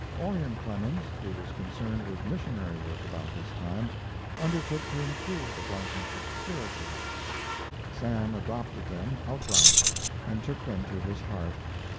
Orion Clemens, who was concerned with missionary work about this time, undertook to improve the Blankenships spiritually. Sam adopted them, outright, and took them to his heart.